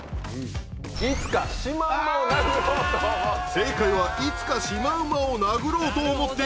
正解は「いつかシマウマを殴ろうと思っている」でした。